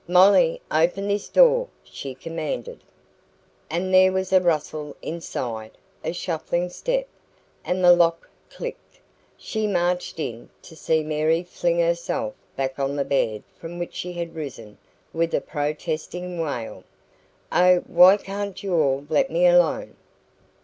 "Molly, open this door!" she commanded. And there was a rustle inside, a shuffling step, and the lock clicked. She marched in, to see Mary fling herself back on the bed from which she had risen, with a protesting wail: "Oh, why can't you all let me alone?"